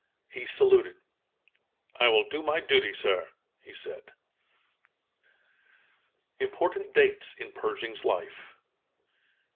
He saluted. "I will do my duty, sir," he said. IMPORTANT DATES IN PERSHING'S LIFE 1860.